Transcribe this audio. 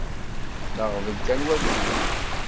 D aɣbel kan waki?